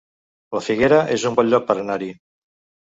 La Figuera es un bon lloc per anar-hi